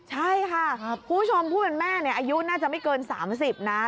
ใช่ค่ะคุณผู้ชมผู้เป็นแม่อายุน่าจะไม่เกิน๓๐นะ